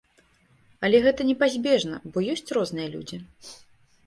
Але гэта непазбежна, бо ёсць розныя людзі.